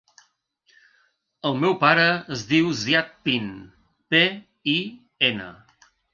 El meu pare es diu Ziad Pin: pe, i, ena.